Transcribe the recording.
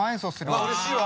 うれしいわ。